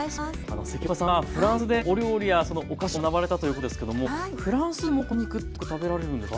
関岡さんはフランスでお料理やお菓子を学ばれたということですけどもフランスでもこの豚肉ってよく食べられるんですか？